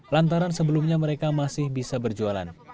lantaran sebelumnya mereka masih bisa berjualan